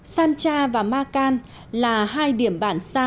sancha và makan là hai điểm bản xa